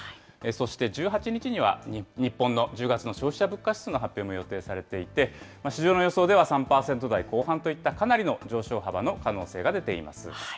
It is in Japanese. そして１８日には、日本の１０月の消費者物価指数の発表も予定されていて、市場の予想では３％台後半といった、かなりの上昇幅の可能性が出ています。